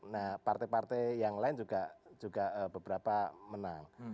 nah partai partai yang lain juga beberapa menang